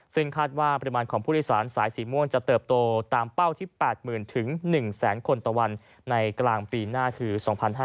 ซึ่งคาดว่าปริมาณของผู้โดยสารสายสีม่วงจะเติบโตตามเป้าที่๘๐๐๐๑๐๐๐คนต่อวันในกลางปีหน้าคือ๒๕๕๙